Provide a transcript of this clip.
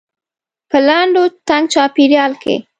په لنډ و تنګ چاپيریال کې.